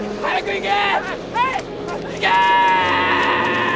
行け！